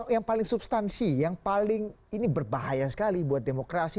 yang paling substansi yang paling ini berbahaya sekali buat demokrasi